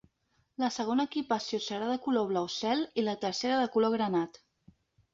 La segona equipació serà de color blau cel i la tercera de color granat.